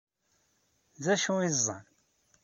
D acu i ẓẓan?